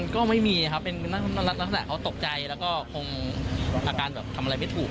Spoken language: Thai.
ก็ไม่มีค่ะเค้าตกใจและคงอาการทำอะไรไม่ถูก